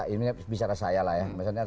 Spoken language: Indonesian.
ini bicara saya lah ya